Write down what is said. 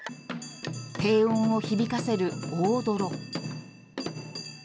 低音を響かせる大ドロ。